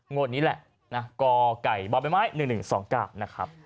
โง่นนี้แหละนะก่อไก่บอบไม้ไม้๑๑๒๙นะครับ